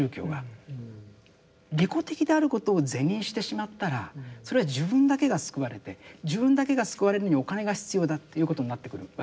利己的であることを是認してしまったらそれは自分だけが救われて自分だけが救われるのにお金が必要だということになってくるわけですね。